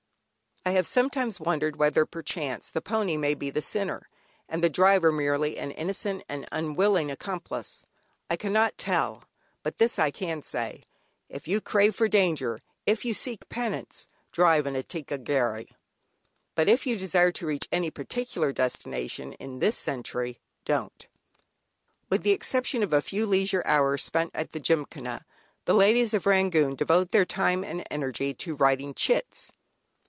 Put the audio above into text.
I have sometimes wondered whether perchance the pony may be the sinner, and the driver merely an innocent and unwilling accomplice. I cannot tell. But this I can say, if you crave for danger, if you seek penance, drive in a "ticca gharry," but if you desire to reach any particular destination in this century, don't. With the exception of a few leisure hours spent at the Gymkhana, the ladies of Rangoon devote their time and energy to writing "Chits."